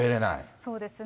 そうですね。